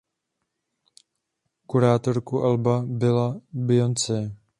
Kurátorkou alba byla Beyoncé.